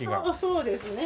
そうですね。